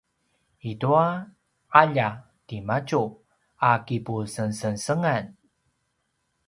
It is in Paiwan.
i tju’alja timadju a kipusengsengsengan